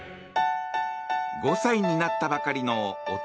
５歳になったばかりの弟